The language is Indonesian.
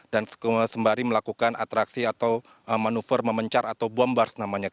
dan sembari melakukan atraksi atau manuver memencar atau bombars namanya